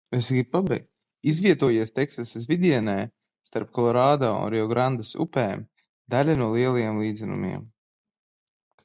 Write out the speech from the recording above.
Izvietojies Teksasas vidienē starp Kolorādo un Riograndes upēm, daļa no Lielajiem līdzenumiem.